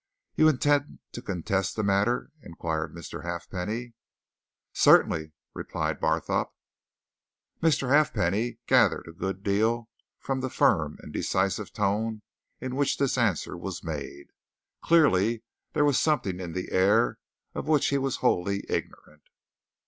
"You intend to contest the matter?" inquired Mr. Halfpenny. "Certainly!" replied Barthorpe. Mr. Halfpenny gathered a good deal from the firm and decisive tone in which this answer was made. Clearly there was something in the air of which he was wholly ignorant.